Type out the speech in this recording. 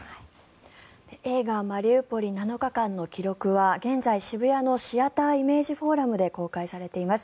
映画「マリウポリ７日間の記録」は現在、渋谷のシアター・イメージフォーラムで公開されています。